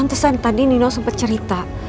antesan tadi nino sempat cerita